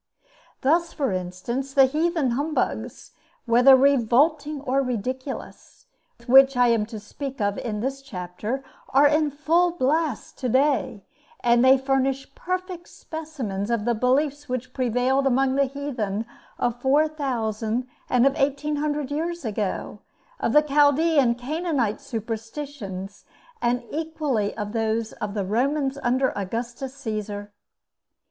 Thus, for instance, the heathen humbugs, whether revolting or ridiculous, which I am to speak of in this chapter, are in full blast to day; and they furnish perfect specimens of the beliefs which prevailed among the heathen of four thousand and of eighteen hundred years ago; of the Chaldee and Canaanite superstitions, and equally of those of the Romans under Augustus Cæsar.